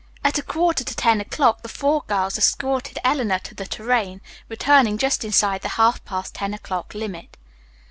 At a quarter to ten o'clock the four girls escorted Eleanor to the "Tourraine," returning just inside the half past ten o'clock limit.